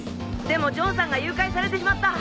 でもジョンさんが誘拐されてしまった。